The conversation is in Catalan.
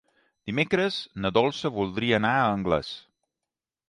Dimecres na Dolça voldria anar a Anglès.